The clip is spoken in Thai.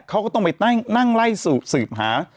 เขาก็ต้องไปนั่งไล่สืบหา